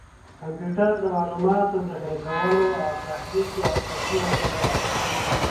کمپیوټر د معلوماتو ذخیره کولو او تحلیل کې اساسي وسیله ده.